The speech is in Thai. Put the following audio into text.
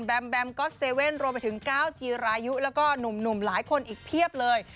แมมก๊อตเซเว่นรวมไปถึงก้าวจีรายุแล้วก็หนุ่มหลายคนอีกเพียบเลย